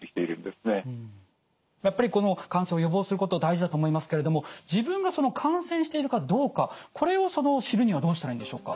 やっぱりこの感染を予防すること大事だと思いますけれども自分が感染しているかどうかこれを知るにはどうしたらいいんでしょうか？